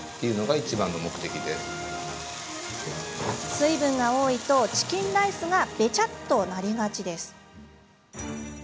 水分が多いとチキンライスがベチャッとなりがちです。